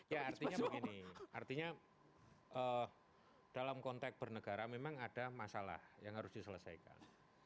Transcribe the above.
ya artinya begini artinya dalam konteks bernegara memang ada masalah yang harus diselesaikan